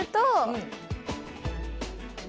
うん。